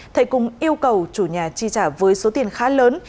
thầy cùng yêu cầu chủ nhà chi trả với số tiền khá lớn